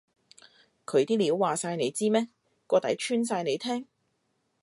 佢啲料話晒你知咩？個底穿晒你聽？